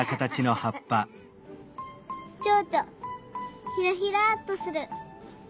ちょうちょひらひらっとする。